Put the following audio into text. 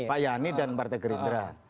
pak yani dan partai gerindra